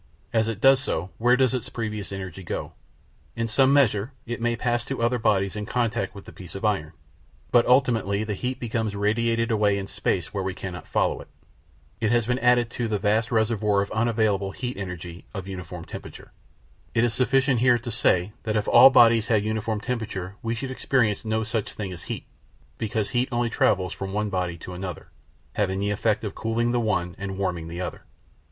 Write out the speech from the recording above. As it does so, where does its previous energy go? In some measure it may pass to other bodies in contact with the piece of iron, but ultimately the heat becomes radiated away in space where we cannot follow it. It has been added to the vast reservoir of unavailable heat energy of uniform temperature. It is sufficient here to say that if all bodies had a uniform temperature we should experience no such thing as heat, because heat only travels from one body to another, having the effect of cooling the one and warming the other.